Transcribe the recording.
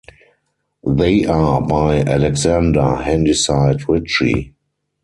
They are by Alexander Handyside Ritchie.